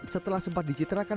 setelah sempat dicitrakan